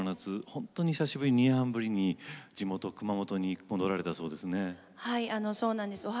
本当に久しぶりに２年半ぶりに地元熊本県に戻られたそうですね。